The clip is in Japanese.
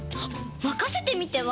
まかせてみては？